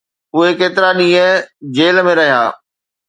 اهي ڪيترا ڏينهن جيل ۾ رهيا